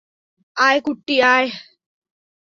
আয়, কুট্টি, আয়!